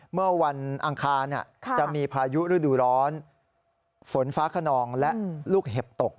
เมื่อวันอังคารจะมีพายุฤดูร้อนฝนฟ้าขนองและลูกเห็บตก